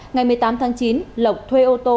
ngày một mươi tám tháng chín lộc thuê ô tô